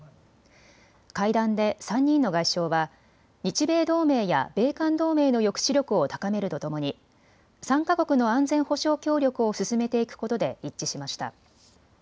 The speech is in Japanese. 会談で３人の外相は日米同盟や米韓同盟の抑止力を高めるとともに３か国の安全保障協力を進めていくことで一致しました。